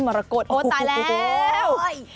รกฏโอ้ตายแล้ว